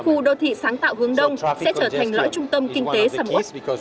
khu đô thị sáng tạo hướng đông sẽ trở thành lõi trung tâm kinh tế sản phẩm